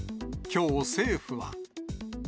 きょう政府は。